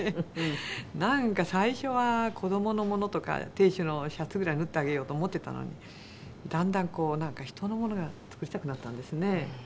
なんか最初は子供のものとか亭主のシャツぐらい縫ってあげようと思ってたのにだんだん人のものが作りたくなったんですね。